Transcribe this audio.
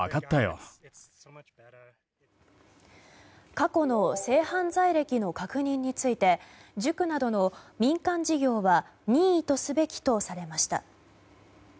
過去の性犯罪歴の確認について塾などの民間事業は任意とすべきとされました。